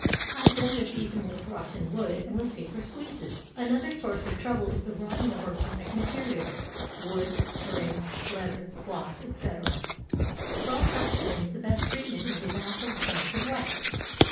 I have done this even with rot ten wood and with paper squeezes. Another source of trouble is the rotting of organic materials, wood, string, leather, cloth, etc. For all such things the best treatment is a bath of melted wax.